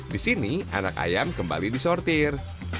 di sini anak ayam kembali disortir